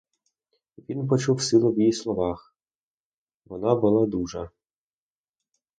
Він почував силу в її словах, вона була дужа.